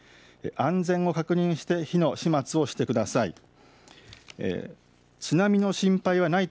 安全を確認して火の始末をしてください。